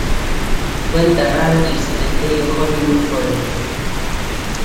Fue enterrada en el Cementerio Hollywood Forever.